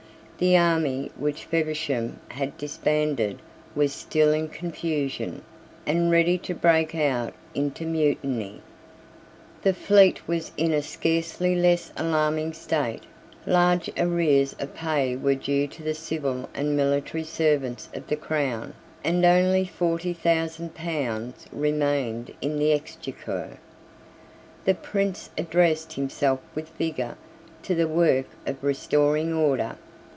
The army which Feversham had disbanded was still in confusion, and ready to break out into mutiny. The fleet was in a scarcely less alarming state. Large arrears of pay were due to the civil and military servants of the crown; and only forty thousand pounds remained in the Exchequer. The Prince addressed himself with vigour to the work of restoring order.